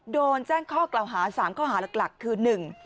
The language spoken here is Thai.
โดนแจ้งข้อกล่าวหา๓ข้อหาหลักคือ